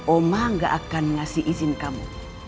oma gak akan ngasih izin kamu